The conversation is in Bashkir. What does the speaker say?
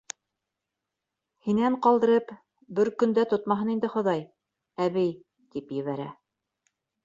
- Һинән ҡалдырып, бер көн дә тотмаһын инде Хоҙай, әбей, - тип ебәрә.